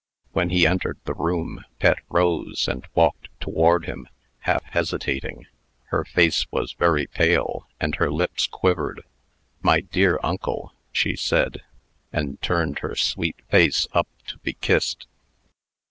When he entered the room, Pet rose, and walked toward him, half hesitating. Her face was very pale, and her lips quivered. "My dear uncle!" she said, and turned her sweet face up to be kissed.